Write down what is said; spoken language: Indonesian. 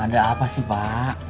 ada apa sih pak